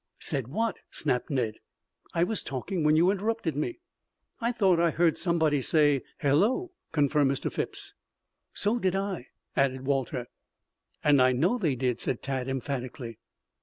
"Said what?" snapped Ned. "I was talking when you interrupted me." "I thought I heard somebody say 'hello,'" confirmed Mr. Phipps. "So did I," added Walter. "And I know they did," said Tad emphatically.